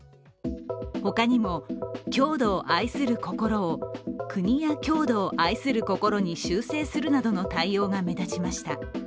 他にも、郷土を愛する心を国や郷土を愛する心に修正するなどの対応が目立ちました。